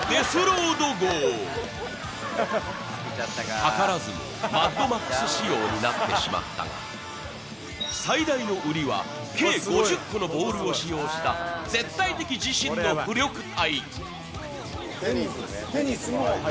図らずもマッドマックス仕様になってしまったが最大の売りは計５０個のボールを使用した絶対的自信の浮力体。